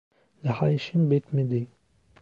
Daha işim bitmedi.